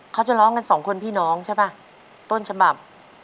เขาจะร้องกันสองคนพี่น้องใช่ป่ะต้นฉบับ